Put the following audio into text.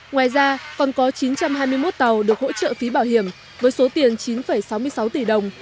ngoài ra còn có chín trăm hai mươi một tàu được hỗ trợ phí bảo hiểm với số tiền chín sáu mươi sáu tỷ đồng